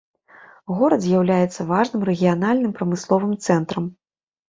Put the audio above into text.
Горад з'яўляецца важным рэгіянальным прамысловым цэнтрам.